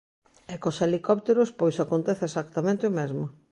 E cos helicópteros pois acontece exactamente o mesmo.